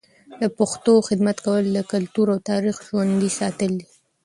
د پښتو خدمت کول د کلتور او تاریخ ژوندي ساتل دي.